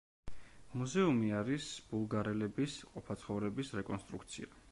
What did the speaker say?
მუზეუმი არის ბულგარელების ყოფა-ცხოვრების რეკონსტრუქცია.